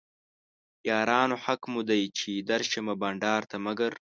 یارانو حق مو دی چې درشمه بنډار ته مګر